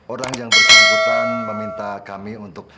orang yang bersangkutan meminta kami untuk